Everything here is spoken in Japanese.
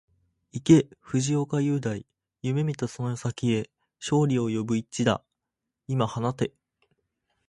行け藤岡裕大、夢見たその先へ、勝利を呼ぶ一打、今放て